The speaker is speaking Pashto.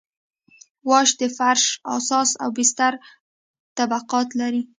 واش د فرش اساس او بستر طبقات لري